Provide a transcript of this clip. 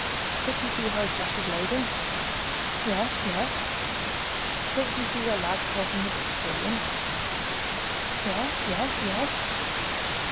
"Don't you see how his back is laden?" "Yes, yes!" "Don't you see your lad talking with the postilion?" "Yes, yes, yes!"